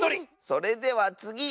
それではつぎ！